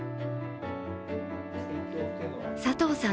佐藤さん